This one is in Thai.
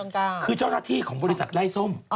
คือเจ้าหน้าที่ของบริษัทไล่ส้ม